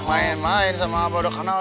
mainkan sama abah udah kenal